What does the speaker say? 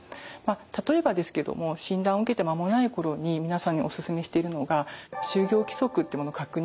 例えばですけども診断を受けて間もない頃に皆さんにお勧めしているのが就業規則ってものを確認する。